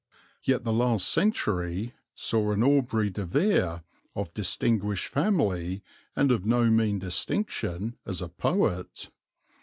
Yet the last century saw an Aubrey de Vere of distinguished family and of no mean distinction as a poet.